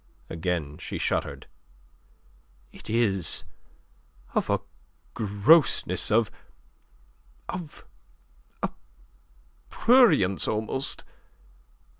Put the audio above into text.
Again she shuddered. "It is of a grossness, of... of a prurience almost...